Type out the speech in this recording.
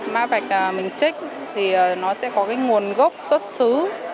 mã vạch mình trích thì nó sẽ có cái nguồn gốc xuất xứ